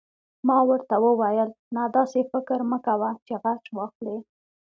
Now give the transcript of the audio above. ما ورته وویل: نه، داسې فکر مه کوه چې غچ واخلې.